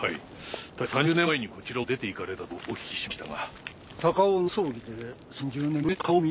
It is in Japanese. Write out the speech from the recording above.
はいたしか３０年前にこちらを出ていかれたとお聞きしましたが。